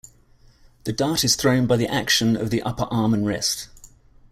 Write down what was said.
The dart is thrown by the action of the upper arm and wrist.